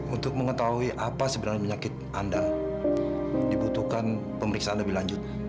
untuk mengetahui apa sebenarnya penyakit anda dibutuhkan pemeriksaan lebih lanjut